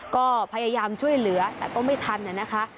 ก็พยายามช่วยเหลือแต่ก็ไม่ทันนะคะ